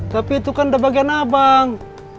tapi itu kan udah bagian abang